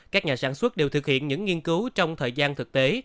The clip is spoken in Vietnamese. các nhà sản xuất đều thực hiện những nghiên cứu trong thời gian thực tế